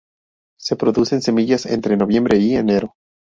Se producen semillas entre noviembre y enero.